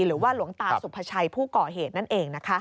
หรือว่าหลวงตาสุภาชัยผู้ก่อเหตุนั่นเองนะคะ